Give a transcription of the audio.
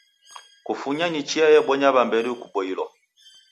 Kufunya ni chia yebonya w'ambedu kuboilwa.